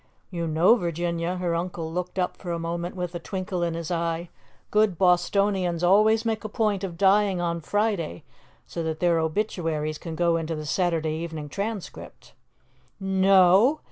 "You know, Virginia" her uncle looked up for a moment with a twinkle in his eye "good Bostonians always make a point of dying on Friday, so that their obituaries can go into the Saturday evening Transcript." "No?